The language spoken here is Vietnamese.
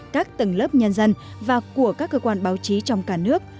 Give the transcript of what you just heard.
các tầng lớp nhân dân và của các cơ quan báo chí trong cả nước